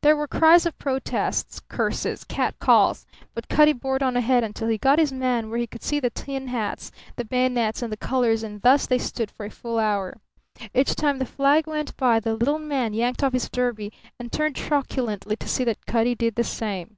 There were cries of protest, curses, catcalls, but Cutty bored on ahead until he got his man where he could see the tin hats, the bayonets, and the colours; and thus they stood for a full hour. Each time the flag went by the little man yanked off his derby and turned truculently to see that Cutty did the same.